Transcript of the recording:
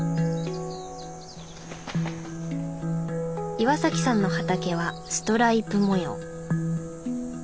岩さんの畑はストライプ模様。